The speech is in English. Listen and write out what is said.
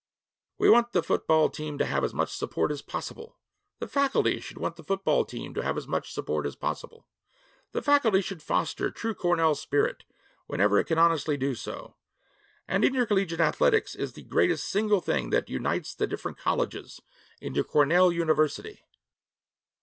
'We want the football team to have as much support as possible. The Faculty should want the football team to have as much support as possible. The Faculty should foster true Cornell spirit whenever it can honestly do so, and intercollegiate athletics is the greatest single thing that unites the different colleges into Cornell University.